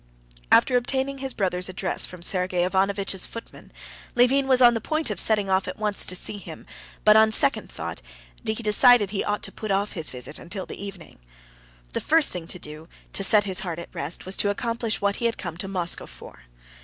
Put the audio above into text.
After obtaining his brother's address from Sergey Ivanovitch's footman, Levin was on the point of setting off at once to see him, but on second thought he decided to put off his visit till the evening. The first thing to do to set his heart at rest was to accomplish what he had come to Moscow for.